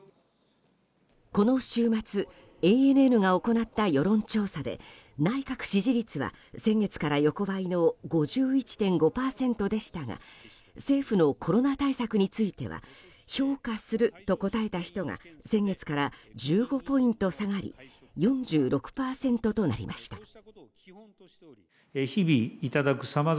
この週末ＡＮＮが行った世論調査で内閣支持率は先月から横ばいの５１．５％でしたが政府のコロナ対策については評価すると答えた人が先月から１５ポイント下がり４６％となりました。